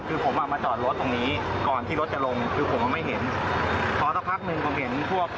คือผมอ่ะมาจอดรถตรงนี้ก่อนที่รถจะลงคือผมไม่เห็นพอสักพักหนึ่งผมเห็นพวก